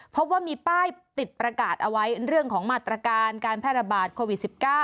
พบว่ามีป้ายติดประกาศเอาไว้เรื่องของมาตรการการแพร่ระบาดโควิด๑๙